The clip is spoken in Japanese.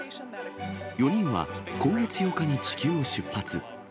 ４人は今月８日に地球を出発。